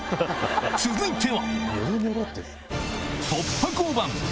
続いては。